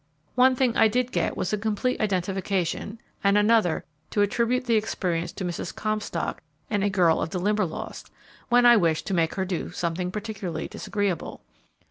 One thing I did get was complete identification, and another, to attribute the experience to Mrs. Comstock in "A Girl of the Limberlost", when I wished to make her do something particularly disagreeable.